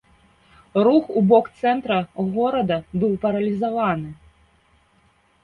Рух у бок цэнтра горада быў паралізаваны.